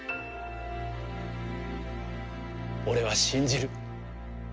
俺は信じる。